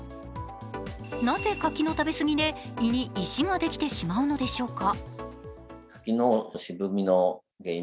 なぜ柿の食べ過ぎで胃に石ができてしまうのでしょうか？